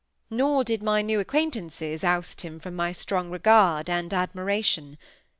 Nor did my new acquaintances oust him from my strong regard and admiration.